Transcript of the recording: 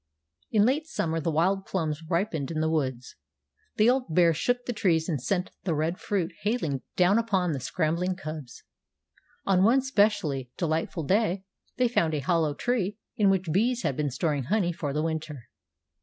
In late summer the wild plums ripened in the woods. The old bear shook the trees and sent the red fruit hailing down upon the scrambling cubs. On one specially delightful day they found a hollow tree in which bees had been storing honey for the winter.